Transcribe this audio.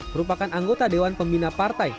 merupakan anggota dewan pembina partai